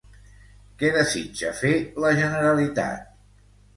Què desitja fer la Generalitat?